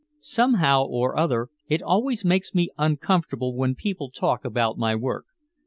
Somehow or other it always makes me uncomfortable when people talk about my work.